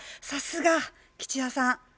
さすが吉弥さん